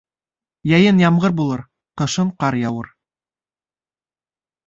Йәйен ямғыр булыр, ҡышын ҡар яуыр.